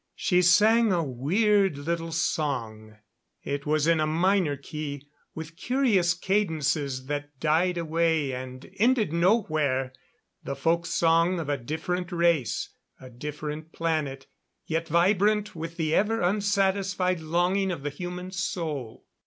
She sang a weird little song. It was in a minor key, with curious cadences that died away and ended nowhere the folk song of a different race, a different planet, yet vibrant with the ever unsatisfied longing of the human soul.